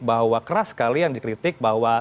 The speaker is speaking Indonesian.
bahwa keras sekali yang dikritik bahwa